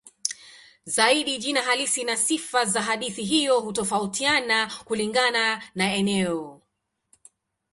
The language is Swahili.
Zaidi jina halisi na sifa za hadithi hiyo hutofautiana kulingana na eneo.